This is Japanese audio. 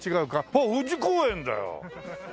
あっ富士公園だよ！